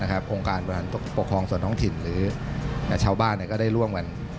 โครงการบริหารปกครองส่วนท้องถิ่นหรือชาวบ้านก็ได้ร่วมกัน